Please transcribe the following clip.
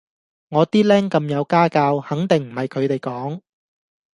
我啲靚咁有家教，肯定唔係佢哋講